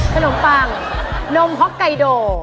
ขนมปังนมฮ็อกไกโด